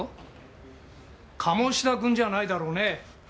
鴨志田君じゃないだろうねぇ？